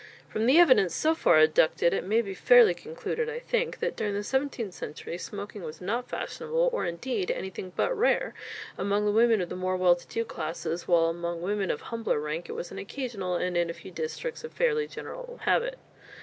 From the evidence so far adduced it may fairly be concluded, I think, that during the seventeenth century smoking was not fashionable, or indeed anything but rare, among the women of the more well to do classes, while among women of humbler rank it was an occasional, and in a few districts a fairly general habit.